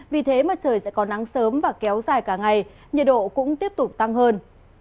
vì thế mà trời sẽ có nắng sớm và kéo dài cả ngày nhiệt độ cũng tiếp tục tăng hơn